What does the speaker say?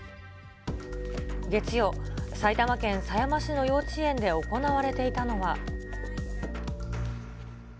月曜、狭山市の幼稚園で行われていたのは。